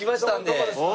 どこですか？